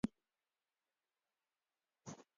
وړښتی غرنی بادام انار نورې غرنۍ ونې دي.